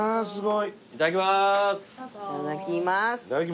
いただきます。